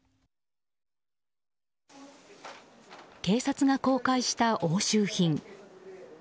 警察が公開した押収品。